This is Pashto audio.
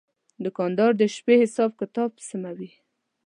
دوکاندار د شپې حساب کتاب سموي.